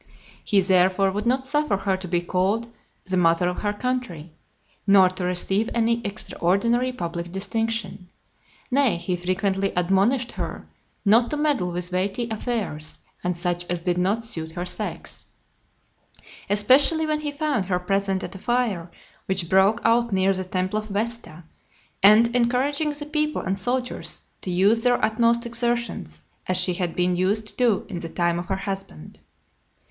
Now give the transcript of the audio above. He, therefore, would not suffer her to be called "the Mother of her Country," nor to receive any extraordinary public distinction. Nay, he frequently admonished her "not to meddle with weighty affairs, and such as did not suit her sex;" especially when he found her present at a fire which broke out near the Temple of Vesta , and encouraging the people and soldiers to use their utmost exertions, as she had been used to do in the time of her husband.